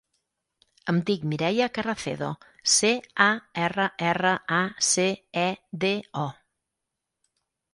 Em dic Mireia Carracedo: ce, a, erra, erra, a, ce, e, de, o.